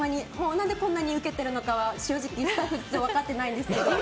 何でこんなに受けてるのかは正直、スタッフ一同分かってないんですけど。